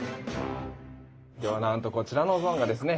ではなんとこちらのゾーンがですね